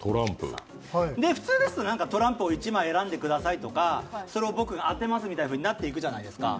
普通ですとトランプを１枚選んでくださいとかそれを僕が当てますみたいになっていくじゃないですか。